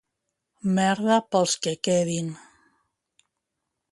Merda pels que quedin!